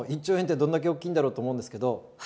１兆円ってどんだけ大きいんだろうと思うんですけど。